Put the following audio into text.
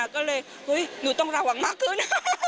ก็เลยหนูต้องระวังมากขึ้น